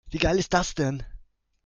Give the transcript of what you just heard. Wie geil ist das denn?